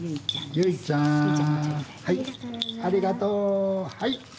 ありがとう。